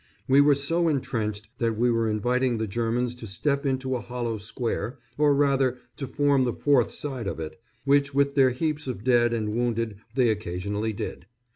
We were so entrenched that we were inviting the Germans to step into a hollow square, or rather to form the fourth side of it, which with their heaps of dead and wounded they occasionally did.